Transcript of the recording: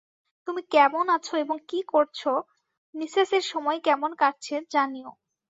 তুমি কেমন আছ এবং কি করছ, মিসেস-এর সময় কেমন কাটছে জানিও।